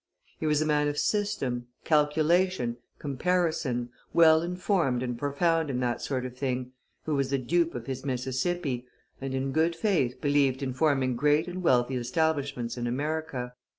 He was a man of system, calculation, comparison, well informed and profound in that sort of thing, who was the dupe of his Mississippi, and in good faith believed in forming great and wealthy establishments in America.